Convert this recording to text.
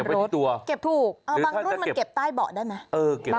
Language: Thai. เก็บไปที่ตัวบางรุ่นมันเก็บใต้เบาะได้ไหม